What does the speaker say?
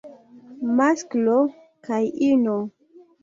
Masklo kaj ino.